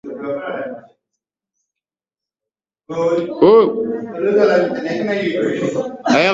Wanayama wapya wanaoingizwa kwako hawana maambukizi